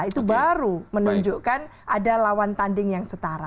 itu baru menunjukkan ada lawan tanding yang setara